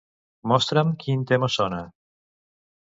Mostra'm quin tema sona.